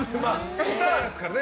スターですからね。